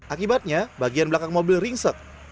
akibatnya bagian belakang mobil ringsek